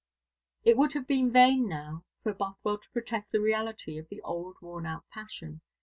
It would have been vain now for Bothwell to protest the reality of the old worn out passion.